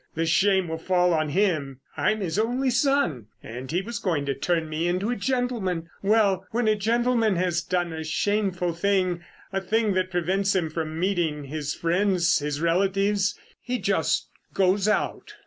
The shame will fall on him. I'm his only son, and he was going to turn me into a gentleman. Well, when a gentleman has done a shameful thing, a thing that prevents him from meeting his friends, his relatives, he just goes out